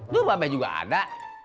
du mbak be juga ada